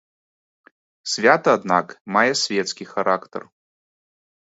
Свята, аднак, мае свецкі характар.